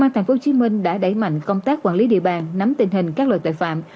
tp hcm đã đẩy mạnh công tác quản lý địa bàn nắm tình hình các loại tội phạm